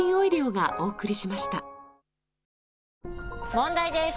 問題です！